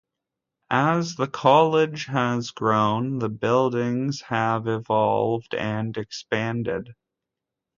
As the College has grown, the buildings have evolved and expanded.